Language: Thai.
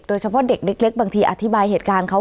โดยเฉพาะเด็กเล็กบางทีอธิบายเหตุการณ์เขา